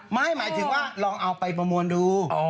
หมายถึงว่าลองเอาไปประมวลดู